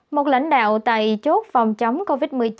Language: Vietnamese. một lãnh đạo tại chốt phòng chống covid một mươi chín